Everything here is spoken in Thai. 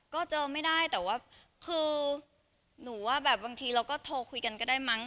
ก็เจอไม่ได้แต่ว่าคือหนูว่าแบบบางทีเราก็โทรคุยกันก็ได้มั้ง